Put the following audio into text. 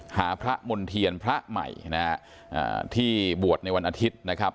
หาพระมณ์เทียนพระใหม่นะฮะที่บวชในวันอาทิตย์นะครับ